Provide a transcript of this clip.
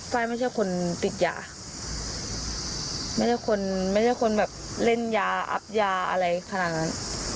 ไฟล์ไม่ใช่คนติดยาไม่ใช่คนไม่ใช่คนแบบเล่นยาอับยาอะไรขนาดนั้น